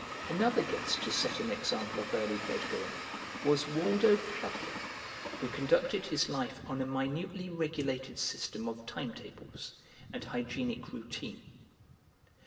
Another guest to set an example of early bed going was Waldo Plubley, who conducted his life on a minutely regulated system of time tables and hygienic routine.